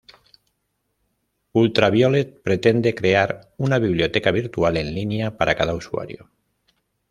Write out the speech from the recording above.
UltraViolet pretende crear una biblioteca virtual en línea para cada usuario.